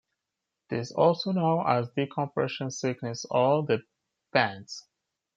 This is also known as decompression sickness or the bends.